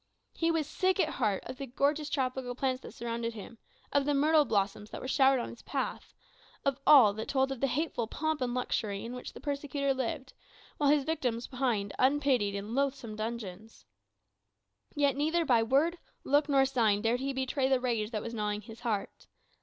He was sick at heart of the gorgeous tropical plants that surrounded him, of the myrtle blossoms that were showered on his path; of all that told of the hateful pomp and luxury in which the persecutor lived, while his victims pined unpitied in loathsome dungeons. Yet neither by word, look, nor sign dared he betray the rage that was gnawing his heart.